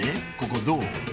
ここどう？